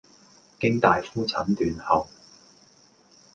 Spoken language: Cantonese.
經大夫診斷後